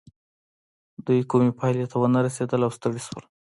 دوی کومې پايلې ته ونه رسېدل او ستړي شول.